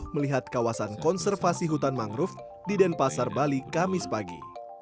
melihat kawasan konservasi hutan mangrove di denpasar bali kamis pagi